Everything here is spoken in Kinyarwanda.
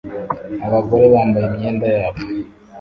Abagore bambaye imyenda yabo